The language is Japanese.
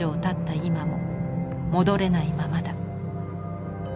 今も戻れないままだ。